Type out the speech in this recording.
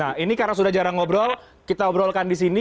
nah ini karena sudah jarang ngobrol kita obrolkan di sini